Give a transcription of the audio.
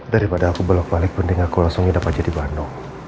daripada aku belok balik penting aku langsung hidup aja di bandung